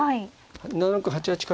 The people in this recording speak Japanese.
７六歩８八角。